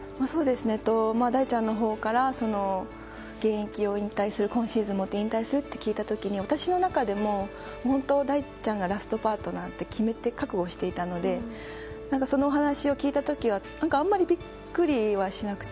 大ちゃんのほうから現役を今シーズンをもって引退すると聞いた時に私の中でも本当、大ちゃんがラストパートナーだと決めて覚悟していたのでその話を聞いた時にはあんまりビックリはしなくて。